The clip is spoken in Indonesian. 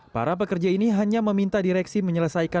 para pekerja ini hanya meminta direksi menyelesaikan